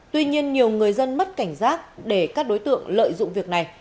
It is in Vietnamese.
tuy nhiên nhiều người dân mất cảnh giác để các đối tượng lợi dụng việc này